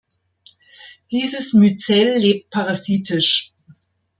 Dieses Myzel lebt parasitisch.